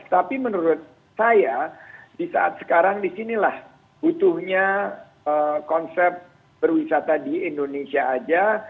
tapi menurut saya di saat sekarang disinilah butuhnya konsep berwisata di indonesia saja